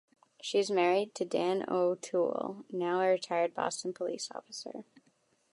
She is married to Dan O'Toole, now a retired Boston police officer.